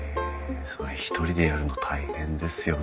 それ一人でやるの大変ですよね。